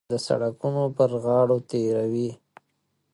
د سړکونو پر غاړو تېروي.